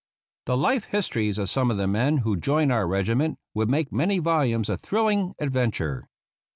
The life histories of some of the men who joined our regiment would make many volumes of thrilling adventure.